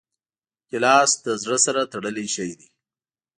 ګیلاس له زړه سره تړلی شی دی.